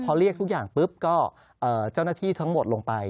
พอเรียกทุกอย่างปุ๊บก็เจ้าหน้าที่ทั้งหมดลงไป